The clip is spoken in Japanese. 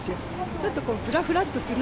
ちょっとこう、ふらふらっとする。